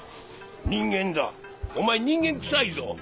人間だお前人間くさいぞ。